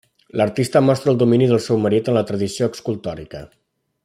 L'artista mostra el domini del seu marit en la tradició escultòrica.